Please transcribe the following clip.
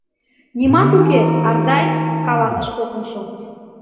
— Нимат уке, Ардай, — каласыш кокымшо.